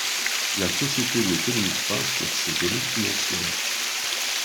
La société ne communique pas sur ses données financières.